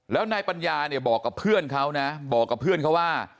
แล้วนายปัญญาเนี่ยบอกกับเพื่อนเขานะบอกกับเพื่อนเขาว่า